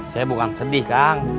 saya bukan sedih kang